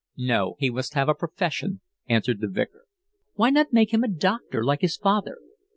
"No, he must have a profession," answered the Vicar. "Why not make him a doctor like his father?"